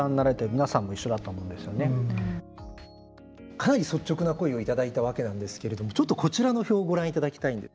かなり率直な声を頂いたわけなんですけれどもちょっとこちらの表をご覧いただきたいんです。